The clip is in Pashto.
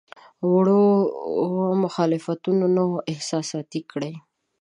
وړو مخالفتونو نه وو احساساتي کړی.